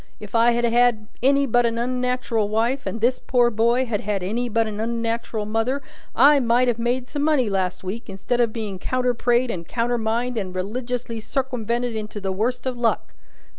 If I had had any but a unnat'ral wife, and this poor boy had had any but a unnat'ral mother, I might have made some money last week instead of being counter prayed and countermined and religiously circumwented into the worst of luck.